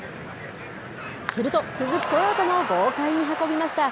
すると、続くトラウトも豪快に運びました。